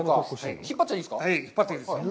引っ張っていいですよ。